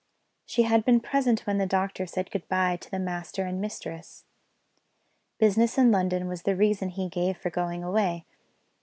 She had been present when the doctor said good bye to the master and mistress. Business in London was the reason he gave for going away.